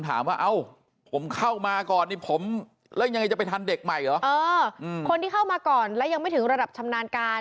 ทีนี้มีคำถามว่า